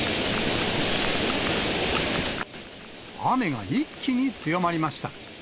雨が一気に強まりました。